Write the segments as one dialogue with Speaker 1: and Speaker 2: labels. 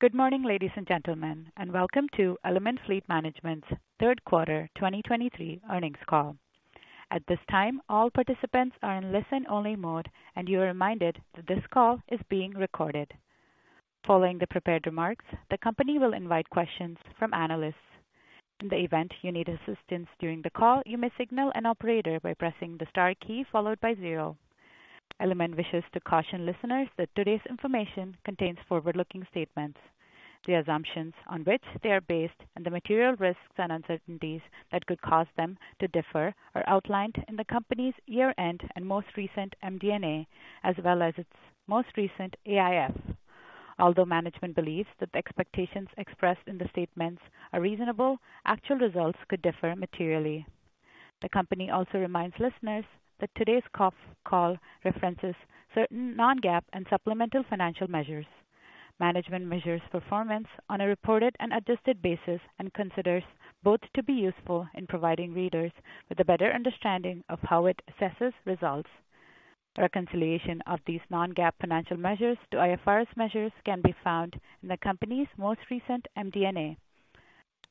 Speaker 1: Good morning, ladies and gentlemen, and welcome to Element Fleet Management's third quarter 2023 earnings call. At this time, all participants are in listen-only mode, and you are reminded that this call is being recorded. Following the prepared remarks, the company will invite questions from analysts. In the event you need assistance during the call, you may signal an operator by pressing the star key followed by zero. Element wishes to caution listeners that today's information contains forward-looking statements. The assumptions on which they are based and the material risks and uncertainties that could cause them to differ are outlined in the company's year-end and most recent MD&A, as well as its most recent AIF. Although management believes that the expectations expressed in the statements are reasonable, actual results could differ materially. The company also reminds listeners that today's call references certain non-GAAP and supplemental financial measures. Management measures performance on a reported and adjusted basis and considers both to be useful in providing readers with a better understanding of how it assesses results. Reconciliation of these non-GAAP financial measures to IFRS measures can be found in the company's most recent MD&A.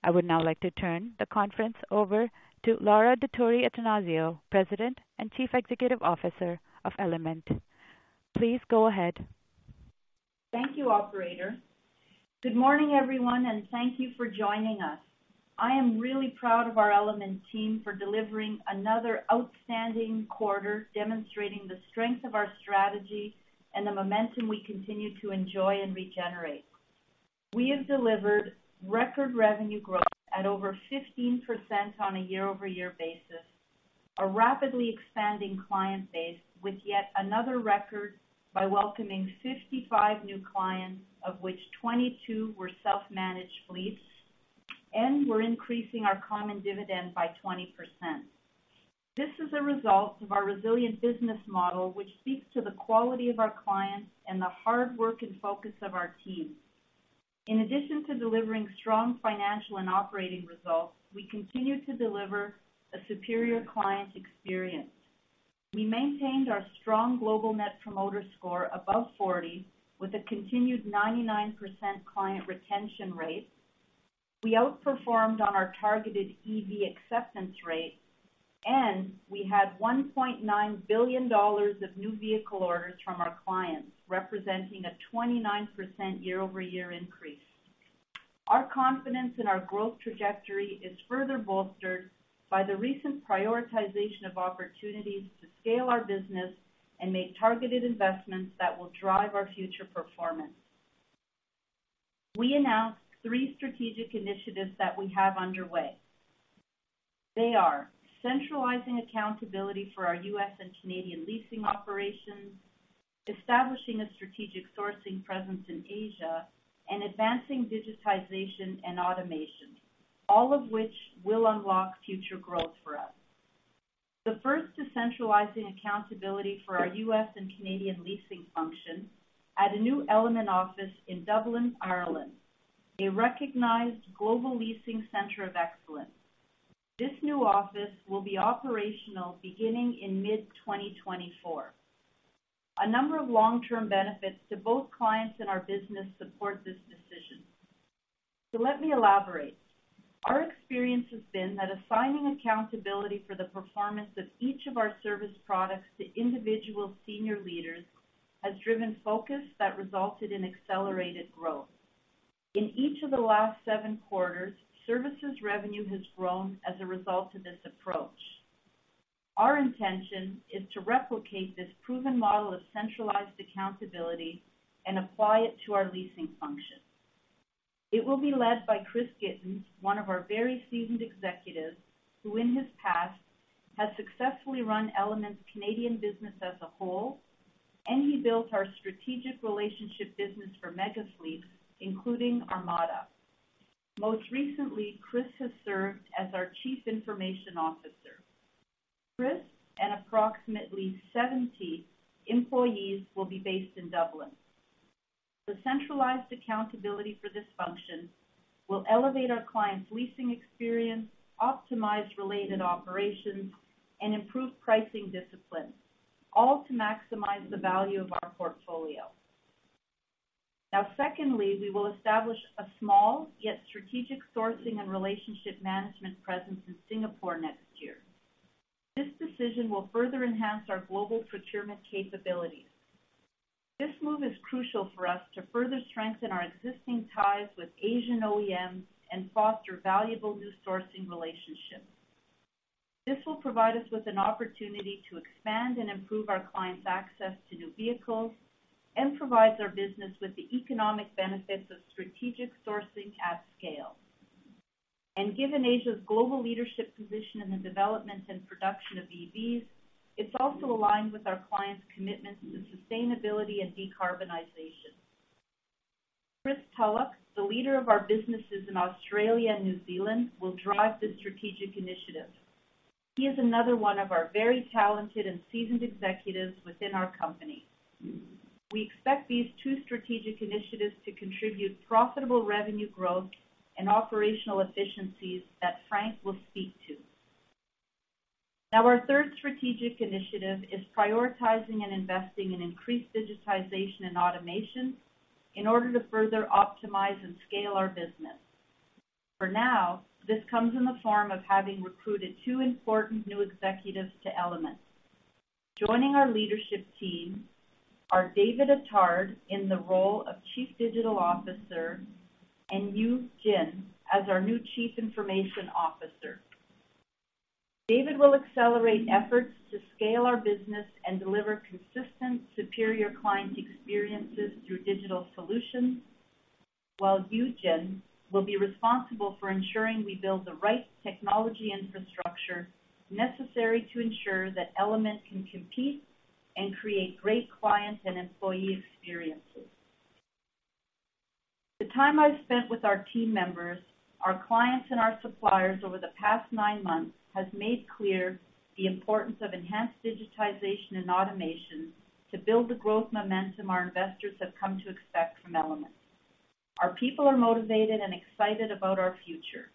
Speaker 1: I would now like to turn the conference over to Laura Dottori-Attanasio, President and Chief Executive Officer of Element. Please go ahead.
Speaker 2: Thank you, operator. Good morning, everyone, and thank you for joining us. I am really proud of our Element team for delivering another outstanding quarter, demonstrating the strength of our strategy and the momentum we continue to enjoy and regenerate. We have delivered record revenue growth at over 15% on a year-over-year basis, a rapidly expanding client base with yet another record by welcoming 55 new clients, of which 22 were self-managed fleets, and we're increasing our common dividend by 20%. This is a result of our resilient business model, which speaks to the quality of our clients and the hard work and focus of our team. In addition to delivering strong financial and operating results, we continue to deliver a superior client experience. We maintained our strong global Net Promoter Score above 40, with a continued 99% client retention rate. We outperformed on our targeted EV acceptance rate, and we had $1.9 billion of new vehicle orders from our clients, representing a 29% year-over-year increase. Our confidence in our growth trajectory is further bolstered by the recent prioritization of opportunities to scale our business and make targeted investments that will drive our future performance. We announced three strategic initiatives that we have underway. They are centralizing accountability for our U.S. and Canadian leasing operations, establishing a strategic sourcing presence in Asia, and advancing digitization and automation, all of which will unlock future growth for us. The first is centralizing accountability for our U.S. and Canadian leasing functions at a new Element office in Dublin, Ireland, a recognized global leasing center of excellence. This new office will be operational beginning in mid-2024. A number of long-term benefits to both clients and our business support this decision. Let me elaborate. Our experience has been that assigning accountability for the performance of each of our service products to individual senior leaders has driven focus that resulted in accelerated growth. In each of the last seven quarters, services revenue has grown as a result of this approach. Our intention is to replicate this proven model of centralized accountability and apply it to our leasing function. It will be led by Chris Gittens, one of our very seasoned executives, who in his past has successfully run Element's Canadian business as a whole, and he built our strategic relationship business for mega fleets, including Armada. Most recently, Chris has served as our Chief Information Officer. Chris and approximately 70 employees will be based in Dublin. The centralized accountability for this function will elevate our clients' leasing experience, optimize related operations, and improve pricing discipline, all to maximize the value of our portfolio. Now, secondly, we will establish a small, yet strategic sourcing and relationship management presence in Singapore next year. This decision will further enhance our global procurement capabilities. This move is crucial for us to further strengthen our existing ties with Asian OEMs and foster valuable new sourcing relationships. This will provide us with an opportunity to expand and improve our clients' access to new vehicles and provide our business with the economic benefits of strategic sourcing at scale. Given Asia's global leadership position in the development and production of EVs, it's also aligned with our clients' commitment to sustainability and decarbonization. Chris Tulloch, the leader of our businesses in Australia and New Zealand, will drive this strategic initiative. He is another one of our very talented and seasoned executives within our company. We expect these two strategic initiatives to contribute profitable revenue growth and operational efficiencies that Frank will speak to... Now, our third strategic initiative is prioritizing and investing in increased digitization and automation in order to further optimize and scale our business. For now, this comes in the form of having recruited two important new executives to Element. Joining our leadership team are David Attard in the role of Chief Digital Officer, and Yu Jin as our new Chief Information Officer. David will accelerate efforts to scale our business and deliver consistent, superior client experiences through digital solutions, while Yu Jin will be responsible for ensuring we build the right technology infrastructure necessary to ensure that Element can compete and create great client and employee experiences. The time I've spent with our team members, our clients, and our suppliers over the past nine months has made clear the importance of enhanced digitization and automation to build the growth momentum our investors have come to expect from Element. Our people are motivated and excited about our future.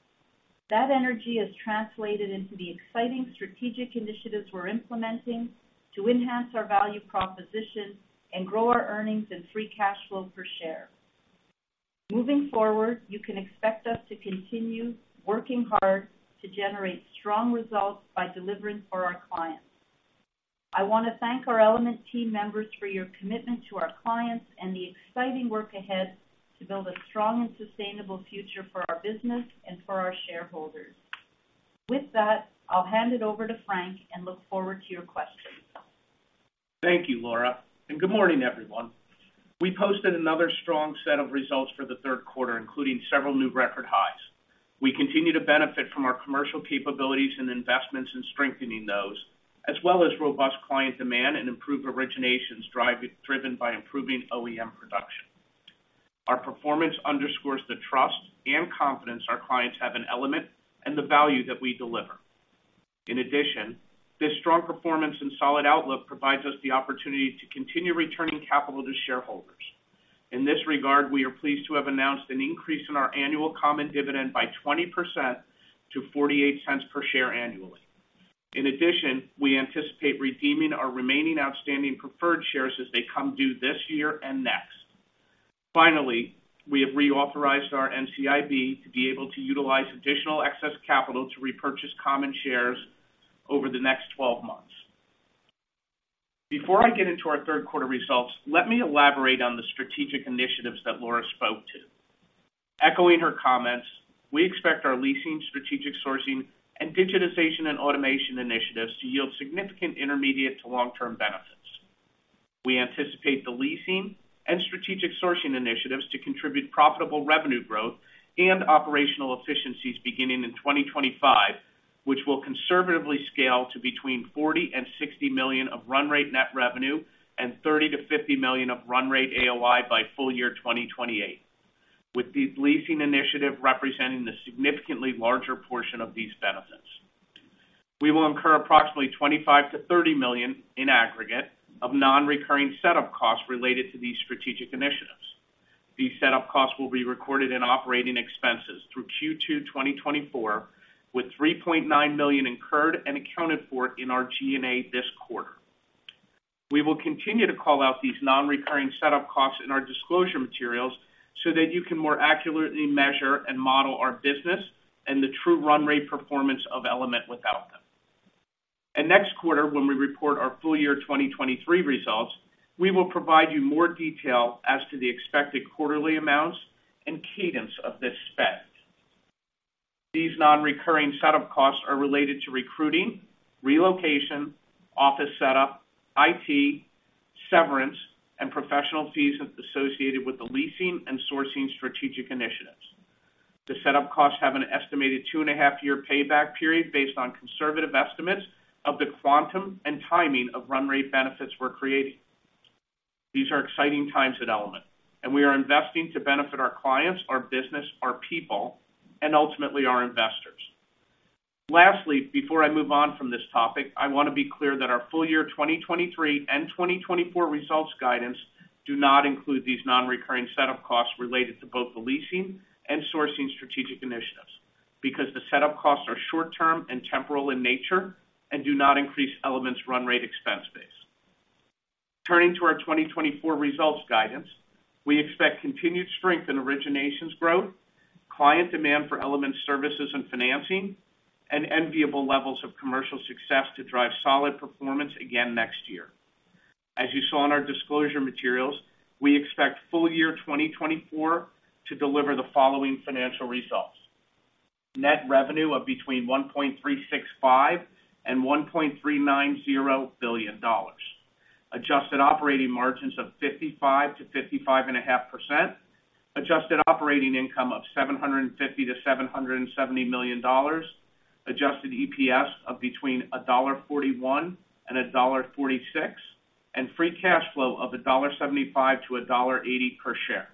Speaker 2: That energy is translated into the exciting strategic initiatives we're implementing to enhance our value proposition and grow our earnings and free cash flow per share. Moving forward, you can expect us to continue working hard to generate strong results by delivering for our clients. I want to thank our Element team members for your commitment to our clients and the exciting work ahead to build a strong and sustainable future for our business and for our shareholders. With that, I'll hand it over to Frank and look forward to your questions.
Speaker 3: Thank you, Laura, and good morning, everyone. We posted another strong set of results for the third quarter, including several new record highs. We continue to benefit from our commercial capabilities and investments in strengthening those, as well as robust client demand and improved originations driven by improving OEM production. Our performance underscores the trust and confidence our clients have in Element and the value that we deliver. In addition, this strong performance and solid outlook provides us the opportunity to continue returning capital to shareholders. In this regard, we are pleased to have announced an increase in our annual common dividend by 20% to 0.48 per share annually. In addition, we anticipate redeeming our remaining outstanding preferred shares as they come due this year and next. Finally, we have reauthorized our NCIB to be able to utilize additional excess capital to repurchase common shares over the next 12 months. Before I get into our third quarter results, let me elaborate on the strategic initiatives that Laura spoke to. Echoing her comments, we expect our leasing, strategic sourcing, and digitization and automation initiatives to yield significant intermediate to long-term benefits. We anticipate the leasing and strategic sourcing initiatives to contribute profitable revenue growth and operational efficiencies beginning in 2025, which will conservatively scale to between 40 million and 60 million of run rate net revenue and 30 million to 50 million of run rate AOI by full year 2028, with the leasing initiative representing the significantly larger portion of these benefits. We will incur approximately 25 million to 30 million in aggregate of non-recurring setup costs related to these strategic initiatives. These setup costs will be recorded in operating expenses through Q2 2024, with 3.9 million incurred and accounted for in our G&A this quarter. We will continue to call out these non-recurring setup costs in our disclosure materials so that you can more accurately measure and model our business and the true run rate performance of Element without them. Next quarter, when we report our full year 2023 results, we will provide you more detail as to the expected quarterly amounts and cadence of this spend. These non-recurring setup costs are related to recruiting, relocation, office setup, IT, severance, and professional fees associated with the leasing and sourcing strategic initiatives. The setup costs have an estimated 2.5-year payback period based on conservative estimates of the quantum and timing of run rate benefits we're creating. These are exciting times at Element, and we are investing to benefit our clients, our business, our people, and ultimately, our investors. Lastly, before I move on from this topic, I want to be clear that our full year 2023 and 2024 results guidance do not include these non-recurring setup costs related to both the leasing and sourcing strategic initiatives, because the setup costs are short-term and temporal in nature and do not increase Element's run rate expense base. Turning to our 2024 results guidance, we expect continued strength in originations growth, client demand for Element services and financing, and enviable levels of commercial success to drive solid performance again next year. As you saw in our disclosure materials, we expect full year 2024 to deliver the following financial results: Net revenue of between $1.365 billion and 1.390 billion. Adjusted operating margins of 55%-55.5%. Adjusted operating income of $750 million-770 million. Adjusted EPS of between $1.41 and 1.46, and free cash flow of $1.75-1.80 per share.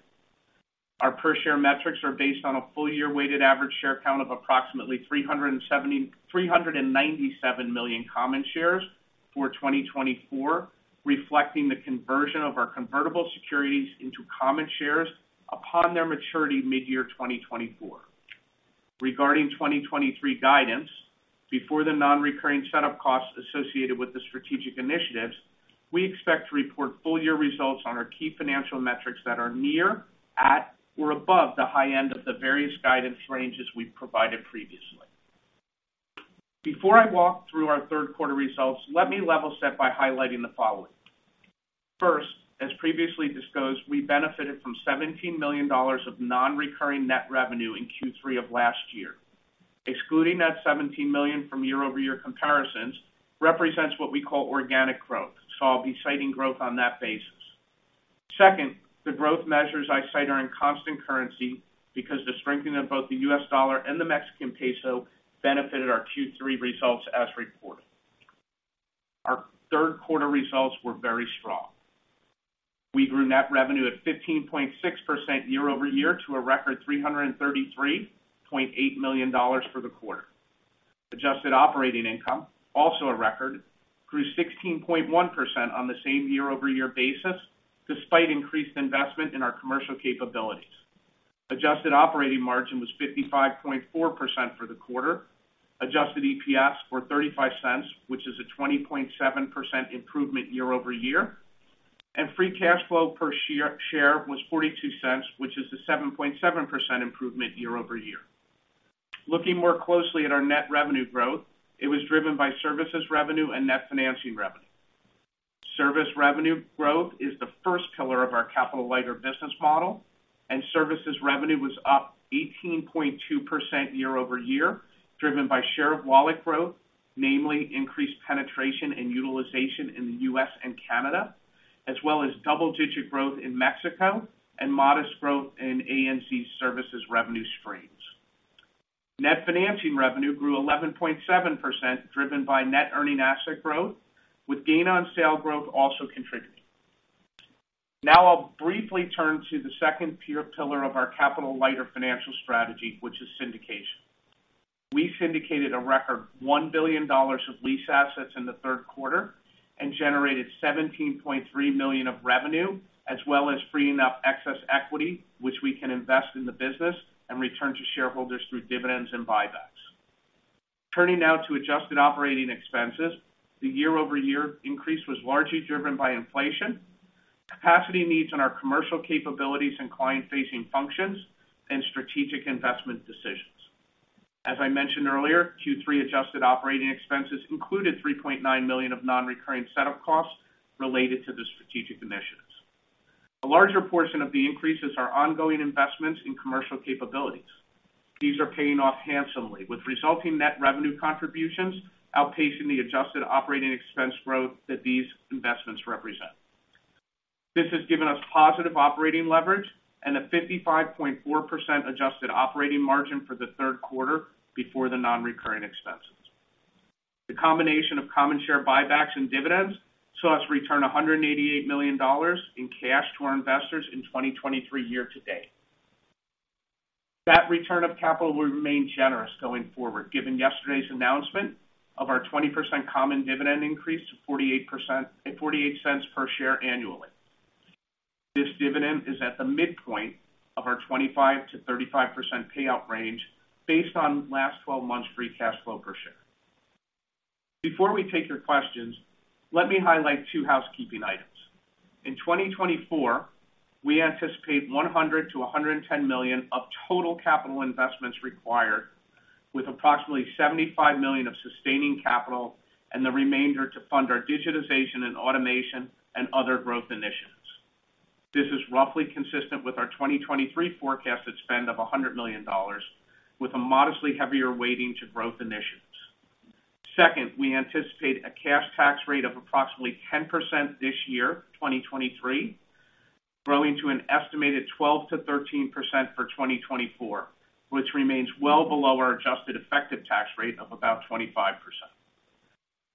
Speaker 3: Our per share metrics are based on a full year weighted average share count of approximately 397 million common shares for 2024, reflecting the conversion of our convertible securities into common shares upon their maturity mid-year 2024. Regarding 2023 guidance, before the non-recurring setup costs associated with the strategic initiatives, we expect to report full year results on our key financial metrics that are near, at, or above the high end of the various guidance ranges we've provided previously. Before I walk through our third quarter results, let me level set by highlighting the following. First, as previously disclosed, we benefited from $17 million of non-recurring net revenue in Q3 of last year. Excluding that $17 million from year-over-year comparisons represents what we call organic growth, so I'll be citing growth on that basis. Second, the growth measures I cite are in constant currency because the strengthening of both the U.S. dollar and the Mexican peso benefited our Q3 results as reported. Our third quarter results were very strong. We grew net revenue at 15.6% year-over-year to a record $333.8 million for the quarter. Adjusted operating income, also a record, grew 16.1% on the same year-over-year basis, despite increased investment in our commercial capabilities. Adjusted operating margin was 55.4% for the quarter. Adjusted EPS of $0.35, which is a 20.7% improvement year-over-year, and free cash flow per share, share was $0.42, which is a 7.7% improvement year-over-year. Looking more closely at our net revenue growth, it was driven by services revenue and net financing revenue. Service revenue growth is the first pillar of our capital-lighter business model, and services revenue was up 18.2% year-over-year, driven by share of wallet growth, namely increased penetration and utilization in the U.S. and Canada, as well as double-digit growth in Mexico and modest growth in ANZ services revenue streams. Net financing revenue grew 11.7%, driven by net earning asset growth, with gain on sale growth also contributing. Now I'll briefly turn to the second pillar of our capital-lighter financial strategy, which is syndication. We syndicated a record $1 billion of lease assets in the third quarter and generated $17.3 million of revenue, as well as freeing up excess equity, which we can invest in the business and return to shareholders through dividends and buybacks. Turning now to adjusted operating expenses. The year-over-year increase was largely driven by inflation, capacity needs in our commercial capabilities and client-facing functions, and strategic investment decisions. As I mentioned earlier, Q3 adjusted operating expenses included $3.9 million of non-recurring setup costs related to the strategic initiatives. A larger portion of the increase is our ongoing investments in commercial capabilities. These are paying off handsomely, with resulting net revenue contributions outpacing the adjusted operating expense growth that these investments represent. This has given us positive operating leverage and a 55.4% adjusted operating margin for the third quarter before the non-recurring expenses. The combination of common share buybacks and dividends saw us return $188 million in cash to our investors in 2023 year to date. That return of capital will remain generous going forward, given yesterday's announcement of our 20% common dividend increase to 48%—48 cents per share annually. This dividend is at the midpoint of our 25%-35% payout range based on last 12 months free cash flow per share. Before we take your questions, let me highlight two housekeeping items. In 2024, we anticipate $100 million-110 million of total capital investments required, with approximately $75 million of sustaining capital and the remainder to fund our digitization and automation and other growth initiatives. This is roughly consistent with our 2023 forecasted spend of $100 million, with a modestly heavier weighting to growth initiatives. Second, we anticipate a cash tax rate of approximately 10% this year, 2023, growing to an estimated 12%-13% for 2024, which remains well below our adjusted effective tax rate of about 25%.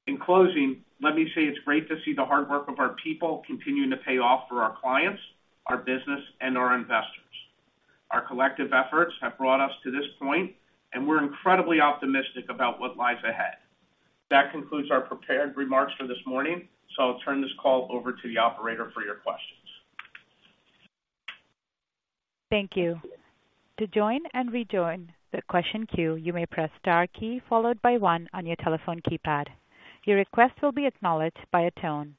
Speaker 3: In closing, let me say it's great to see the hard work of our people continuing to pay off for our clients, our business, and our investors. Our collective efforts have brought us to this point, and we're incredibly optimistic about what lies ahead. That concludes our prepared remarks for this morning, so I'll turn this call over to the operator for your questions.
Speaker 1: Thank you. To join and rejoin the question queue, you may press star key followed by one on your telephone keypad. Your request will be acknowledged by a tone.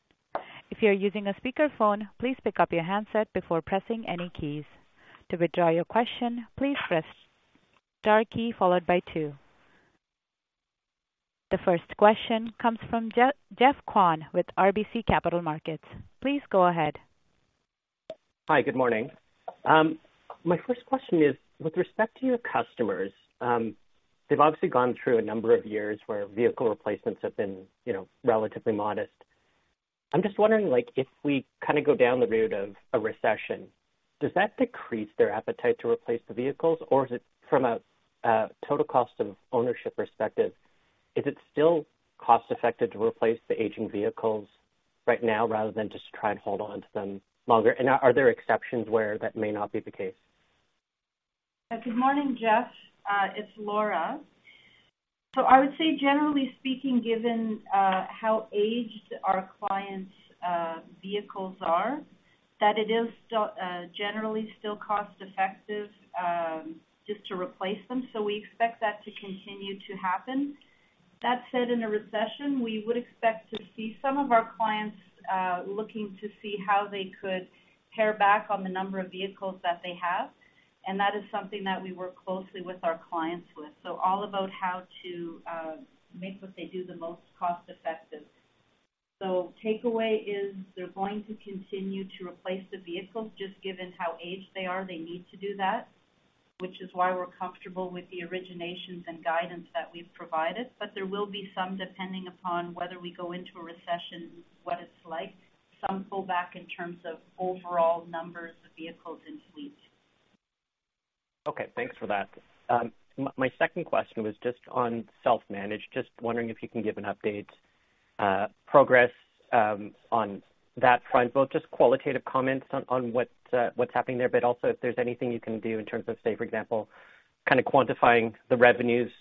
Speaker 1: If you are using a speakerphone, please pick up your handset before pressing any keys. To withdraw your question, please press star key followed by two. The first question comes from Geoffrey Kwan with RBC Capital Markets. Please go ahead.
Speaker 4: Hi, good morning. My first question is, with respect to your customers, they've obviously gone through a number of years where vehicle replacements have been, you know, relatively modest. I'm just wondering, like, if we kind of go down the route of a recession, does that decrease their appetite to replace the vehicles? Or is it from a total cost of ownership perspective, is it still cost-effective to replace the aging vehicles right now, rather than just try and hold on to them longer? And are there exceptions where that may not be the case?
Speaker 2: Good morning, Jeff. It's Laura. So I would say, generally speaking, given how aged our clients' vehicles are, that it is still generally still cost effective just to replace them. So we expect that to continue to happen. That said, in a recession, we would expect to see some of our clients looking to see how they could pare back on the number of vehicles that they have, and that is something that we work closely with our clients with. So all about how to make what they do the most cost effective. So takeaway is they're going to continue to replace the vehicles, just given how aged they are, they need to do that, which is why we're comfortable with the originations and guidance that we've provided. But there will be some, depending upon whether we go into a recession, what it's like, some pullback in terms of overall numbers of vehicles in fleets.
Speaker 4: Okay, thanks for that. My second question was just on self-managed. Just wondering if you can give an update, progress, on that front. Both just qualitative comments on what's happening there, but also if there's anything you can do in terms of, say, for example, kind of quantifying the revenues,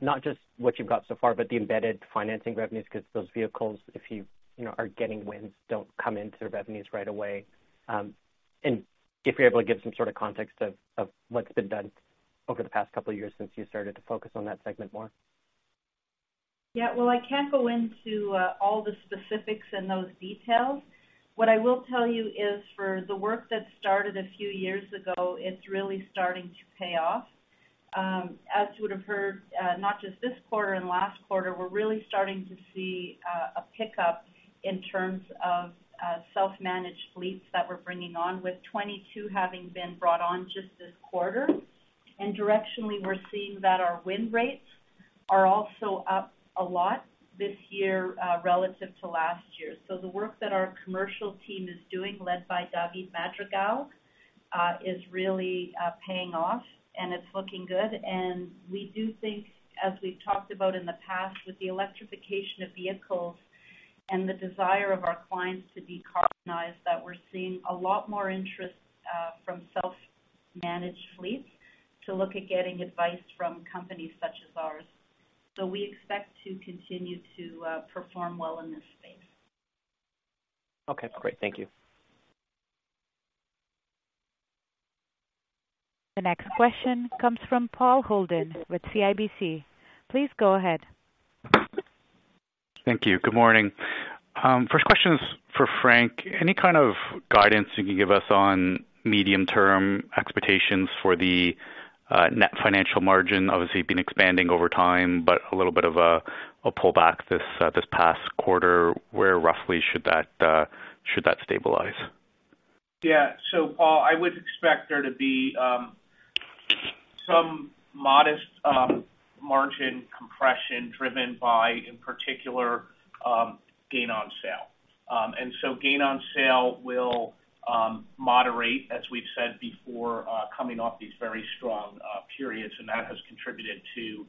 Speaker 4: not just what you've got so far, but the embedded financing revenues, because those vehicles, if you, you know, are getting wins, don't come into the revenues right away. And if you're able to give some sort of context of what's been done over the past couple of years since you started to focus on that segment more?
Speaker 2: Yeah. Well, I can't go into all the specifics and those details. What I will tell you is, for the work that started a few years ago, it's really starting to pay off. As you would have heard, not just this quarter and last quarter, we're really starting to see a pickup in terms of self-managed fleets that we're bringing on, with 22 having been brought on just this quarter. And directionally, we're seeing that our win rates are also up a lot this year, relative to last year. So the work that our commercial team is doing, led by David Madrigal, is really paying off, and it's looking good. We do think, as we've talked about in the past, with the electrification of vehicles and the desire of our clients to decarbonize, that we're seeing a lot more interest from self-managed fleets to look at getting advice from companies such as ours. So we expect to continue to perform well in this space.
Speaker 4: Okay, great. Thank you.
Speaker 1: The next question comes from Paul Holden with CIBC. Please go ahead.
Speaker 5: Thank you. Good morning. First question is for Frank. Any kind of guidance you can give us on medium-term expectations for the net financial margin? Obviously, you've been expanding over time, but a little bit of a pullback this past quarter. Where roughly should that stabilize?
Speaker 3: Yeah. So Paul, I would expect there to be some modest margin compression driven by, in particular, gain on sale. And so gain on sale will moderate, as we've said before, coming off these very strong periods, and that has contributed to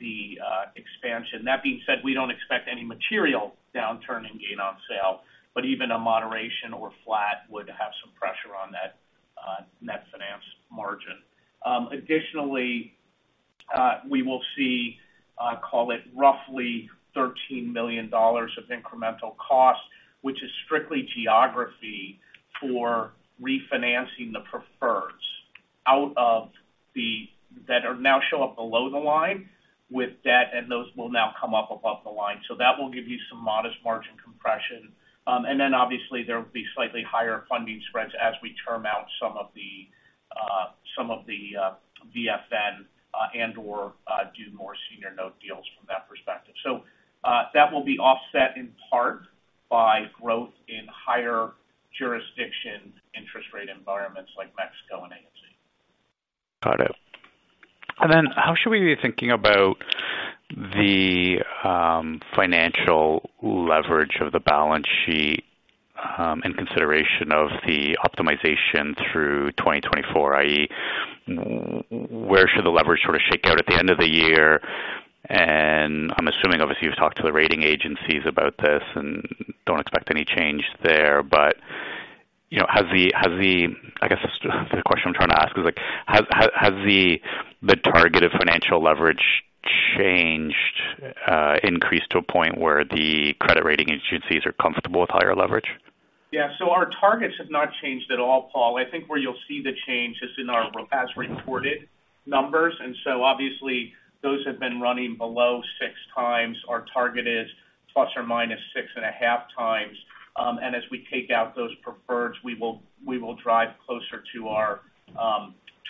Speaker 3: the expansion. That being said, we don't expect any material downturn in gain on sale, but even a moderation or flat would have some pressure on that net finance margin. Additionally, we will see, call it roughly $13 million of incremental cost, which is strictly geography for refinancing the preferreds out of the-- that now show up below the line with debt, and those will now come up above the line. So that will give you some modest margin compression. And then obviously, there will be slightly higher funding spreads as we term out some of the VFN and/or do more senior note deals from that perspective. So, that will be offset in part by growth in higher jurisdiction interest rate environments like Mexico and ANZ.
Speaker 5: Got it. Then how should we be thinking about the financial leverage of the balance sheet in consideration of the optimization through 2024, i.e., where should the leverage sort of shake out at the end of the year? And I'm assuming, obviously, you've talked to the rating agencies about this and don't expect any change there. But you know, I guess the question I'm trying to ask is, like, has the target of financial leverage changed, increased to a point where the credit rating agencies are comfortable with higher leverage?
Speaker 3: Yeah. So our targets have not changed at all, Paul. I think where you'll see the change is in our as-reported numbers, and so obviously those have been running below 6x. Our target is ±6.5x. And as we take out those preferreds, we will drive closer to our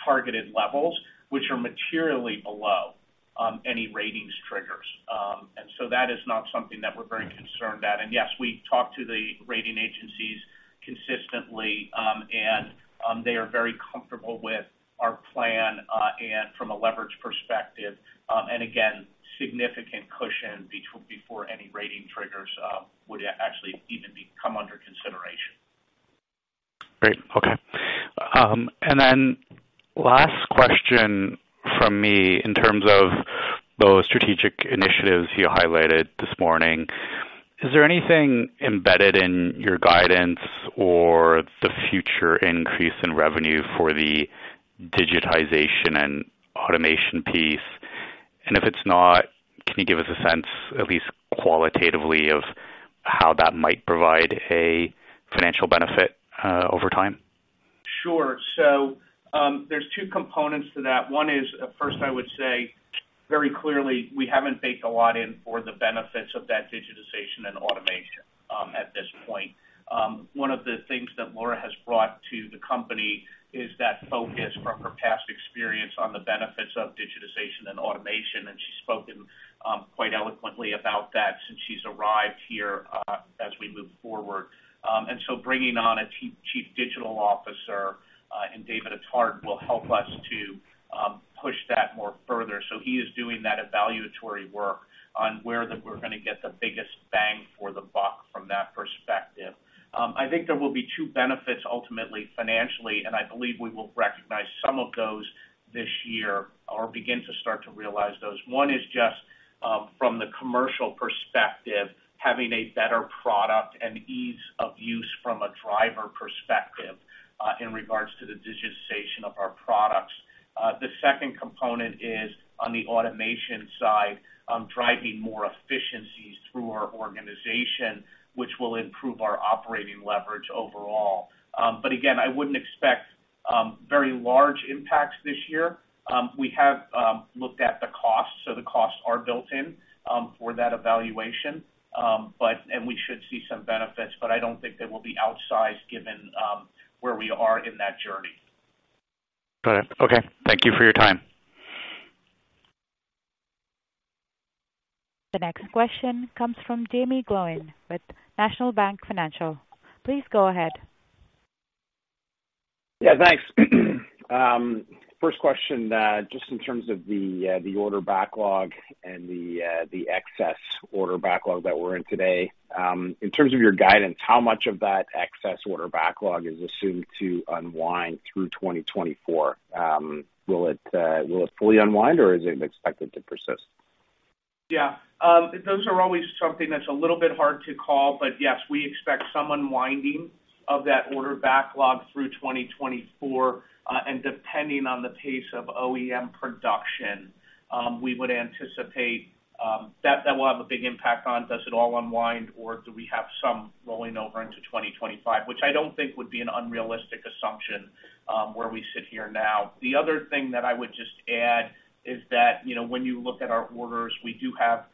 Speaker 3: targeted levels, which are materially below any ratings triggers. And so that is not something that we're very concerned about. And yes, we talk to the rating agencies consistently, and they are very comfortable with our plan, and from a leverage perspective, and again, significant cushion before any rating triggers would actually even come under consideration.
Speaker 5: Great. Okay. And then, last question from me, in terms of those strategic initiatives you highlighted this morning. Is there anything embedded in your guidance or the future increase in revenue for the digitization and automation piece? And if it's not, can you give us a sense, at least qualitatively, of how that might provide a financial benefit over time?
Speaker 3: Sure. So, there's two components to that. One is, first, I would say very clearly, we haven't baked a lot in for the benefits of that digitization and automation at this point. One of the things that Laura has brought to the company is that focus from her past experience on the benefits of digitization and automation, and she's spoken quite eloquently about that since she's arrived here as we move forward. And so bringing on a Chief Digital Officer, David Attard, will help us to push that more further. So he is doing that evaluatory work on where we're gonna get the biggest bang for the buck from that perspective. I think there will be two benefits, ultimately, financially, and I believe we will recognize some of those this year or begin to start to realize those. One is just from the commercial perspective, having a better product and ease of use from a driver perspective, in regards to the digitization of our products. The second component is on the automation side, driving more efficiencies through our organization, which will improve our operating leverage overall. But again, I wouldn't expect very large impacts this year. We have looked at the costs, so the costs are built in for that evaluation. But, and we should see some benefits, but I don't think they will be outsized given where we are in that journey.
Speaker 5: Got it. Okay. Thank you for your time.
Speaker 1: The next question comes from Jaeme Gloyn with National Bank Financial. Please go ahead.
Speaker 6: Yeah, thanks. First question, just in terms of the order backlog and the excess order backlog that we're in today. In terms of your guidance, how much of that excess order backlog is assumed to unwind through 2024? Will it fully unwind, or is it expected to persist?
Speaker 3: Yeah. Those are always something that's a little bit hard to call, but yes, we expect some unwinding of that order backlog through 2024. Depending on the pace of OEM production, we would anticipate that that will have a big impact on does it all unwind or do we have some rolling over into 2025, which I don't think would be an unrealistic assumption, where we sit here now. The other thing that I would just add is that, you know, when you look at our orders, we do have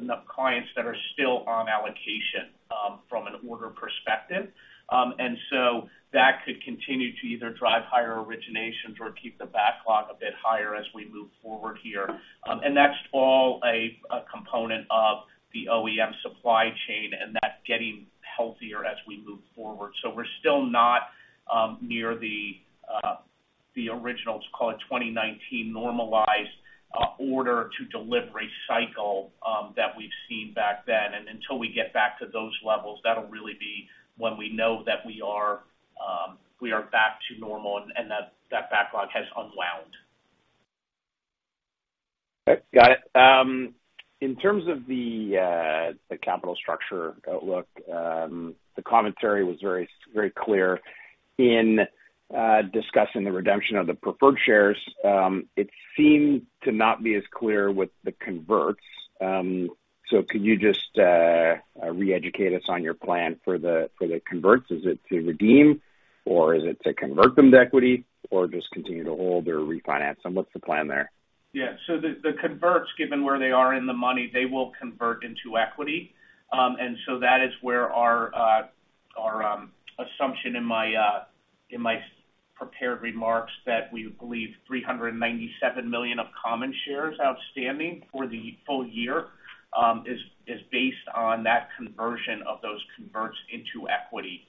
Speaker 3: enough clients that are still on allocation, from an order perspective. So that could continue to either drive higher originations or keep the backlog a bit higher as we move forward here. And that's all a component of the OEM supply chain, and that's getting healthier as we move forward. So we're still not near the original, let's call it, 2019 normalized order-to-delivery cycle that we've seen back then. And until we get back to those levels, that'll really be when we know that we are back to normal and that backlog has unwound.
Speaker 6: Okay, got it. In terms of the capital structure outlook, the commentary was very, very clear. In discussing the redemption of the preferred shares, it seemed to not be as clear with the converts. So could you just re-educate us on your plan for the converts? Is it to redeem, or is it to convert them to equity or just continue to hold or refinance them? What's the plan there?
Speaker 3: Yeah. So the, the converts, given where they are in the money, they will convert into equity. And so that is where our, our assumption in my, in my prepared remarks that we believe 397 million common shares outstanding for the full year is based on that conversion of those converts into equity.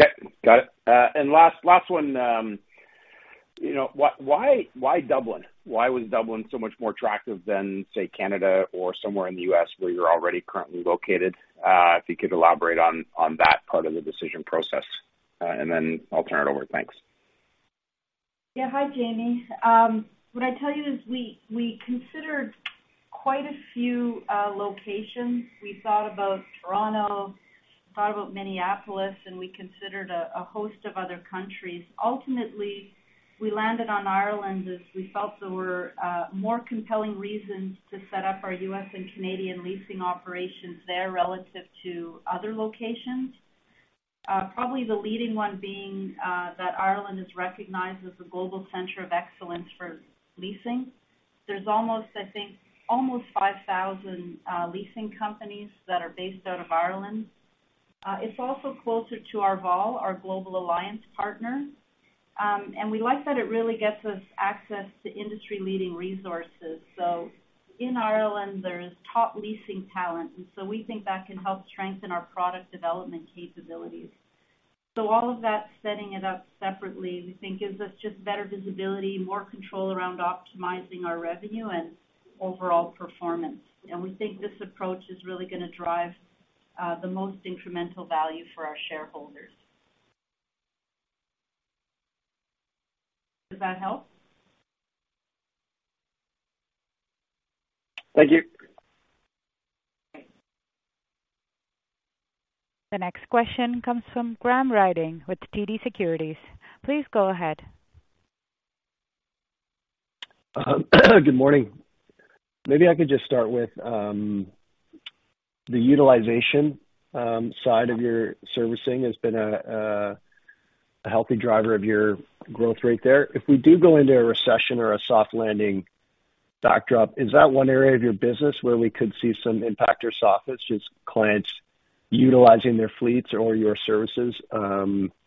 Speaker 6: Okay, got it. And last, last one, you know, why, why, why Dublin? Why was Dublin so much more attractive than, say, Canada or somewhere in the U.S. where you're already currently located? If you could elaborate on, on that part of the decision process, and then I'll turn it over. Thanks.
Speaker 2: Yeah. Hi, Jaeme. What I'd tell you is we considered quite a few locations. We thought about Toronto, thought about Minneapolis, and we considered a host of other countries. Ultimately, we landed on Ireland, as we felt there were more compelling reasons to set up our U.S. and Canadian leasing operations there relative to other locations. Probably the leading one being that Ireland is recognized as a global center of excellence for leasing. There's almost, I think, 5,000 leasing companies that are based out of Ireland. It's also closer to our Arval, our global alliance partner. And we like that it really gets us access to industry-leading resources. So in Ireland, there is top leasing talent, and so we think that can help strengthen our product development capabilities. So all of that, setting it up separately, we think gives us just better visibility, more control around optimizing our revenue and overall performance. And we think this approach is really gonna drive the most incremental value for our shareholders. Does that help?
Speaker 6: Thank you.
Speaker 2: Great.
Speaker 1: The next question comes from Graham Ryding with TD Securities. Please go ahead.
Speaker 7: Good morning. Maybe I could just start with the utilization side of your servicing has been a healthy driver of your growth rate there. If we do go into a recession or a soft landing backdrop, is that one area of your business where we could see some impact or softness, just clients utilizing their fleets or your services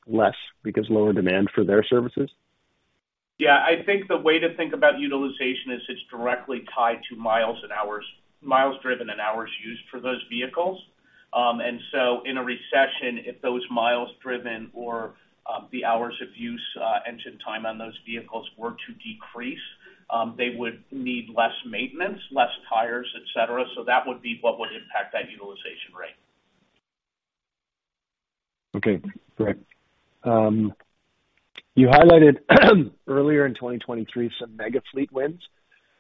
Speaker 7: less because lower demand for their services?
Speaker 3: Yeah, I think the way to think about utilization is it's directly tied to miles and hours, miles driven and hours used for those vehicles. And so in a recession, if those miles driven or the hours of use, engine time on those vehicles were to decrease, they would need less maintenance, less tires, et cetera. So that would be what would impact that utilization rate.
Speaker 7: Okay, great. You highlighted earlier in 2023 some Mega Fleet wins.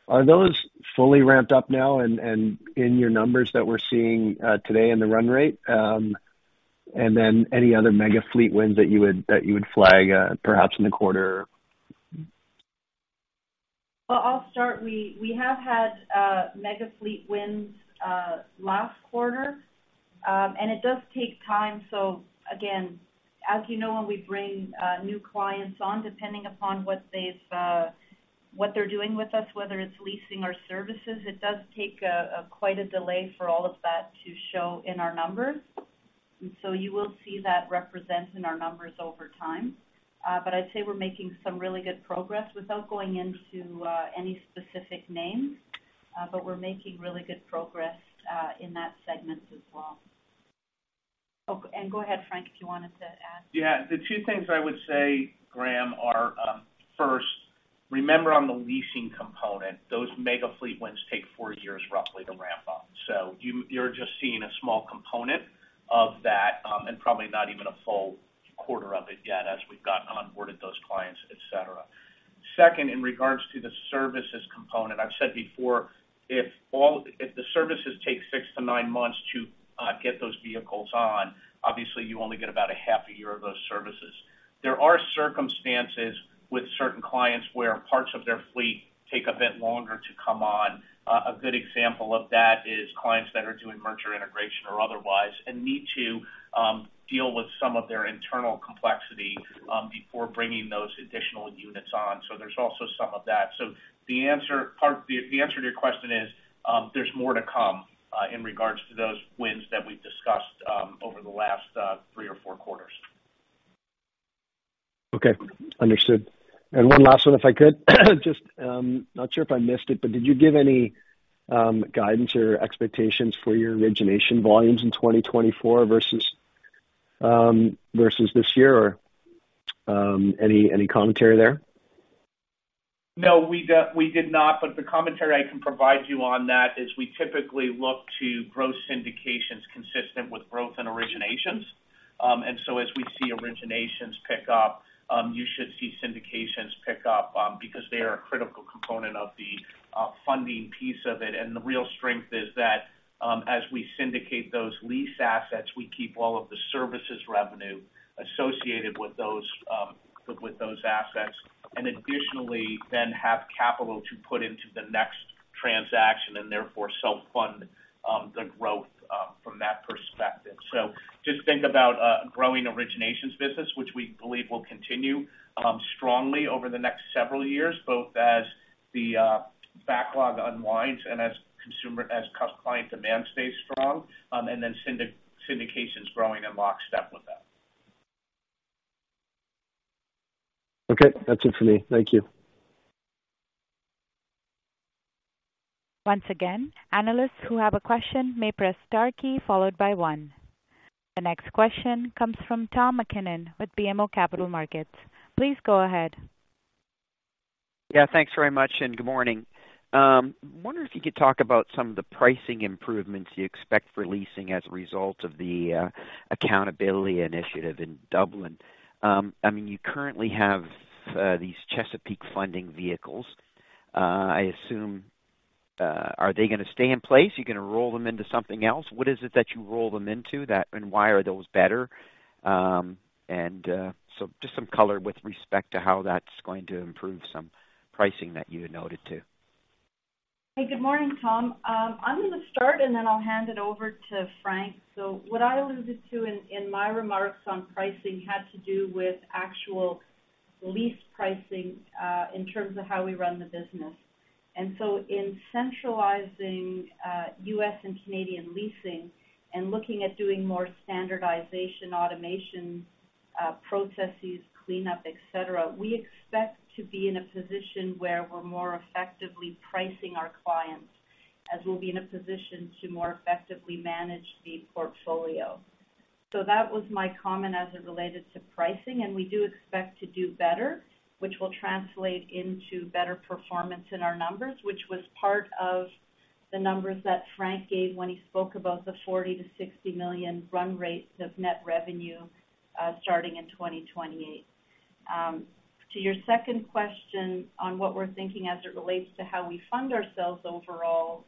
Speaker 7: Are those fully ramped up now and in your numbers that we're seeing today in the run rate? And then any other Mega Fleet wins that you would flag, perhaps in the quarter?
Speaker 2: Well, I'll start. We have had mega fleet wins last quarter. And it does take time. So again, as you know, when we bring new clients on, depending upon what they've what they're doing with us, whether it's leasing or services, it does take quite a delay for all of that to show in our numbers. And so you will see that represent in our numbers over time. But I'd say we're making some really good progress without going into any specific names, but we're making really good progress in that segment as well. Oh, and go ahead, Frank, if you wanted to add?
Speaker 3: Yeah. The two things I would say, Graham, are, first, remember on the leasing component, those Mega Fleet wins take four years, roughly, to ramp up. So you're just seeing a small component of that, and probably not even a full quarter of it yet as we've gotten onboarded those clients, et cetera. Second, in regards to the services component, I've said before, if the services take six to nine months to get those vehicles on, obviously you only get about a half a year of those services. There are circumstances with certain clients where parts of their fleet take a bit longer to come on. A good example of that is clients that are doing merger integration or otherwise, and need to deal with some of their internal complexity before bringing those additional units on. So there's also some of that. So the answer to your question is, there's more to come in regards to those wins that we've discussed over the last three or four quarters.
Speaker 7: Okay, understood. And one last one, if I could. Just, not sure if I missed it, but did you give any, guidance or expectations for your origination volumes in 2024 versus, versus this year? Or, any, any commentary there?
Speaker 3: No, we did not, but the commentary I can provide you on that is we typically look to gross syndications consistent with growth and originations. And so as we see originations pick up, you should see syndications pick up, because they are a critical component of the funding piece of it. And the real strength is that, as we syndicate those lease assets, we keep all of the services revenue associated with those assets, and additionally then have capital to put into the next transaction, and therefore, self-fund the growth from that perspective. So just think about a growing originations business, which we believe will continue strongly over the next several years, both as the backlog unwinds and as client demand stays strong, and then syndications growing in lockstep with that.
Speaker 7: Okay. That's it for me. Thank you.
Speaker 1: Once again, analysts who have a question may press star key followed by one. The next question comes from Tom MacKinnon with BMO Capital Markets. Please go ahead.
Speaker 8: Yeah, thanks very much, and good morning. I wonder if you could talk about some of the pricing improvements you expect for leasing as a result of the accountability initiative in Dublin. I mean, you currently have these Chesapeake Funding vehicles. I assume... Are they gonna stay in place? You're gonna roll them into something else? What is it that you roll them into, that, and why are those better? And so just some color with respect to how that's going to improve some pricing that you had noted, too.
Speaker 2: Hey, good morning, Tom. I'm gonna start, and then I'll hand it over to Frank. So what I alluded to in, in my remarks on pricing had to do with actual lease pricing, in terms of how we run the business. And so in centralizing, U.S. and Canadian leasing and looking at doing more standardization, automation, processes, cleanup, et cetera, we expect to be in a position where we're more effectively pricing our clients, as we'll be in a position to more effectively manage the portfolio. So that was my comment as it related to pricing, and we do expect to do better, which will translate into better performance in our numbers, which was part of the numbers that Frank gave when he spoke about the 40 million-60 million run rates of net revenue, starting in 2028. To your second question on what we're thinking as it relates to how we fund ourselves overall,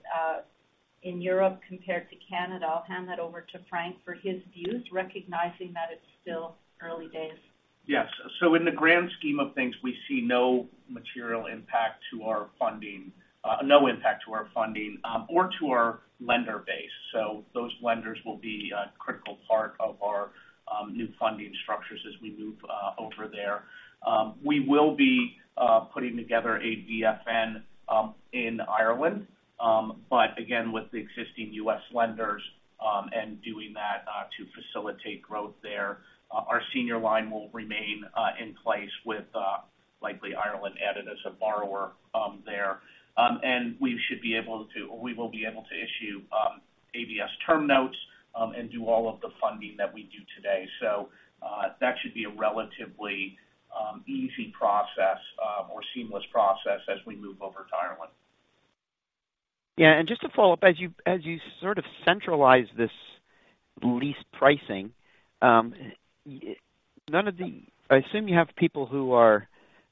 Speaker 2: in Europe compared to Canada, I'll hand that over to Frank for his views, recognizing that it's still early days.
Speaker 3: Yes. So in the grand scheme of things, we see no material impact to our funding, no impact to our funding, or to our lender base. So those lenders will be a critical part of our new funding structures as we move over there. We will be putting together a VFN in Ireland, but again, with the existing US lenders, and doing that to facilitate growth there. Our senior line will remain in place with likely Ireland added as a borrower there. And we should be able to, or we will be able to issue ABS term notes, and do all of the funding that we do today. So that should be a relatively easy process, or seamless process as we move over to Ireland.
Speaker 8: Yeah, and just to follow up, as you sort of centralize this lease pricing, none of the—I assume you have people who are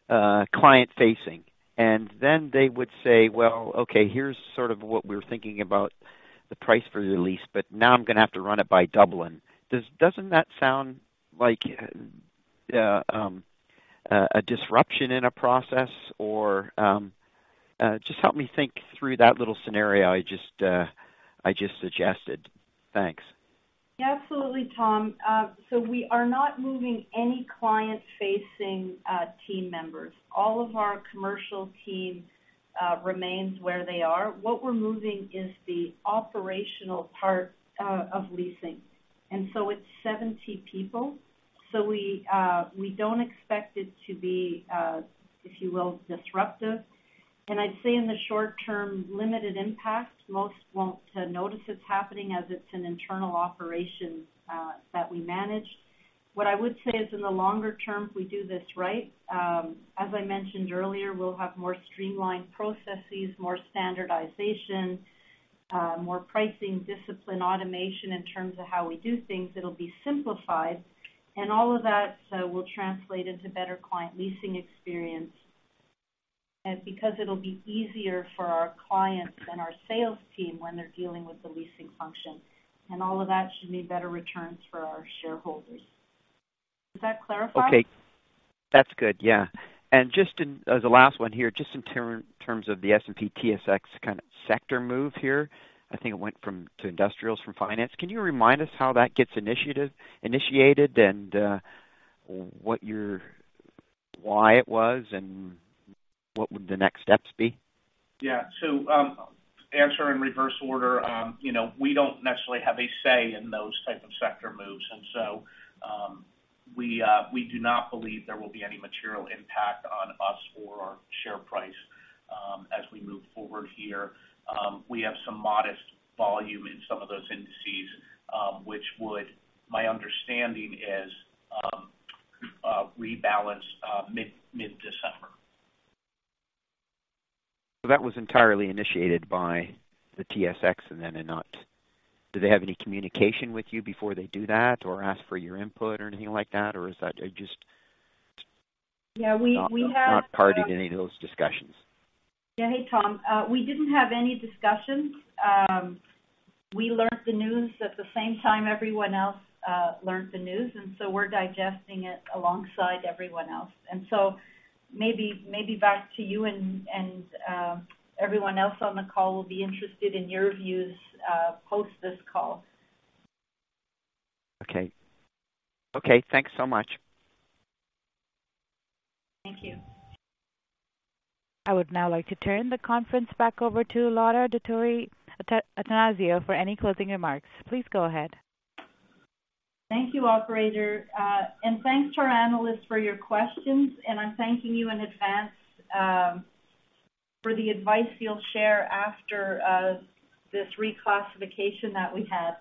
Speaker 8: client-facing, and then they would say, "Well, okay, here's sort of what we're thinking about the price for the lease, but now I'm going to have to run it by Dublin." Doesn't that sound like a disruption in a process? Or just help me think through that little scenario I just suggested. Thanks.
Speaker 2: Yeah, absolutely, Tom. So we are not moving any client-facing team members. All of our commercial team remains where they are. What we're moving is the operational part of leasing, and so it's 70 people. So we don't expect it to be, if you will, disruptive. And I'd say in the short term, limited impact. Most won't notice it's happening as it's an internal operation that we manage. What I would say is in the longer term, if we do this right, as I mentioned earlier, we'll have more streamlined processes, more standardization, more pricing discipline, automation in terms of how we do things. It'll be simplified, and all of that will translate into better client leasing experience because it'll be easier for our clients and our sales team when they're dealing with the leasing function. All of that should mean better returns for our shareholders. Does that clarify?
Speaker 8: Okay. That's good. Yeah. And just in the last one here, just in terms of the S&P/TSX kind of sector move here, I think it went from finance to industrials. Can you remind us how that gets initiated, and what your... why it was, and what the next steps would be?
Speaker 3: Yeah. So, answer in reverse order. You know, we don't necessarily have a say in those type of sector moves, and so, we, we do not believe there will be any material impact on us or our share price, as we move forward here. We have some modest volume in some of those indices, which would, my understanding is, rebalance mid-December.
Speaker 8: So that was entirely initiated by the TSX. Do they have any communication with you before they do that or ask for your input or anything like that? Or is that just-
Speaker 2: Yeah, we have-
Speaker 8: Not part of any of those discussions.
Speaker 2: Yeah. Hey, Tom, we didn't have any discussions. We learned the news at the same time everyone else learned the news, and so we're digesting it alongside everyone else. And so maybe, maybe back to you and, and, everyone else on the call will be interested in your views, post this call.
Speaker 8: Okay. Okay, thanks so much.
Speaker 2: Thank you.
Speaker 1: I would now like to turn the conference back over to Laura Dottori-Attanasio for any closing remarks. Please go ahead.
Speaker 2: Thank you, operator. And thanks to our analysts for your questions, and I'm thanking you in advance for the advice you'll share after this reclassification that we had.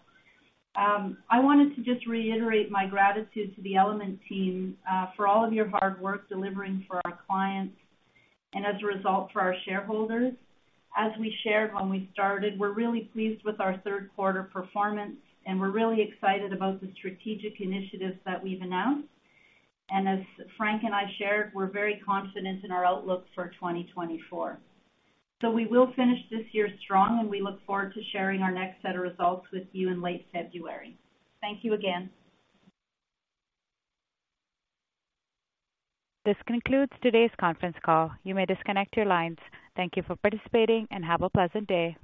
Speaker 2: I wanted to just reiterate my gratitude to the Element team for all of your hard work delivering for our clients and, as a result, for our shareholders. As we shared when we started, we're really pleased with our third quarter performance, and we're really excited about the strategic initiatives that we've announced. And as Frank and I shared, we're very confident in our outlook for 2024. So we will finish this year strong, and we look forward to sharing our next set of results with you in late February. Thank you again.
Speaker 1: This concludes today's conference call. You may disconnect your lines. Thank you for participating, and have a pleasant day.